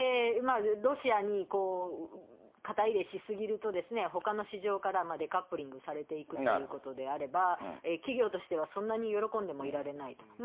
ロシアに肩入れし過ぎるとですね、ほかの市場からデカップリングされていくということであれば、企業としてはそんなに喜んでもいられないと。